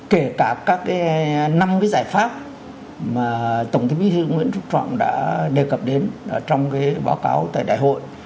kể cả các cái năm cái giải pháp mà tổng thống bí thư nguyễn trúc trọng đã đề cập đến trong cái báo cáo tại đại hội